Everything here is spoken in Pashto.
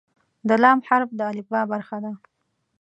د "ل" حرف د الفبا برخه ده.